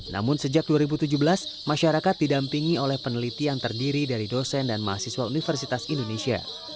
namun sejak dua ribu tujuh belas masyarakat didampingi oleh peneliti yang terdiri dari dosen dan mahasiswa universitas indonesia